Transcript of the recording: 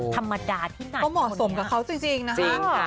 ธรรมดาที่ไหนก็เหมาะสมกับเขาจริงนะคะ